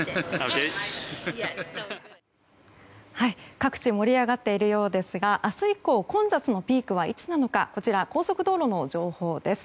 各地盛り上がっているようですが明日以降混雑のピークはいつなのか高速道路の情報です。